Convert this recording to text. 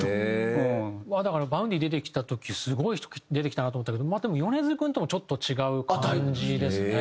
だからＶａｕｎｄｙ出てきた時すごい人出てきたなと思ったけど米津君ともちょっと違う感じですね。